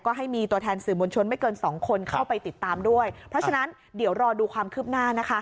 ก็ให้มีตัวแทนสื่อมวลชนไม่เกินสองคนเข้าไปติดตามด้วยเพราะฉะนั้นเดี๋ยวรอดูความคืบหน้านะคะ